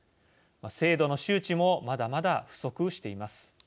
制度の周知もまだまだ不足しています。